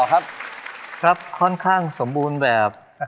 ตราบที่ทุกลมหายใจขึ้นหอดแต่ไอ้นั้น